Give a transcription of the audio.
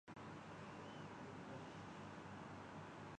اللہ کے آخری رسول سیدنا